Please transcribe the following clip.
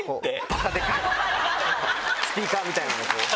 バカでかいスピーカーみたいなのをこう。